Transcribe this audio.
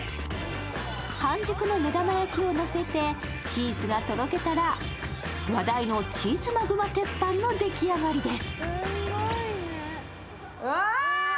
半熟の目玉焼きを乗せた、チーズがとろけたら話題のチーズマグマ鉄板の出来上がりです。